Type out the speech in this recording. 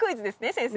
先生。